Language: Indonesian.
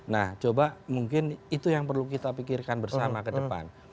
nah coba mungkin itu yang perlu kita pikirkan bersama ke depan